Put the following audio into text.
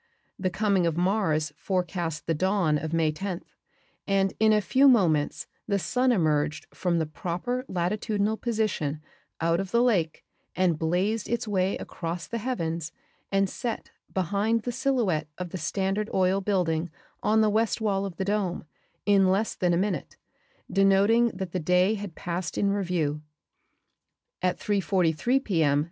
The coming of Mars forecast the dawn of May 10 and in a few moments the sun emerged from the proper latitudinal position out of the lake and blazed its way across the heavens and set behind the silhouette of the Standard Oil Building on the west wall of the dome in less than a minute, denoting that the day had passed in review. At 3:43 P. M.